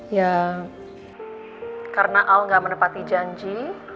ya karena al gak menepati janji